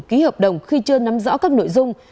ký hợp đồng khi chưa nắm rõ các nội dung